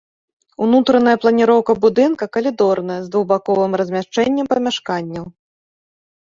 Унутраная планіроўка будынка калідорная, з двухбаковым размяшчэннем памяшканняў.